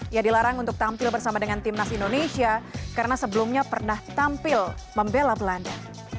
ia dilarang untuk tampil bersama dengan timnas indonesia karena sebelumnya pernah tampil membela belanda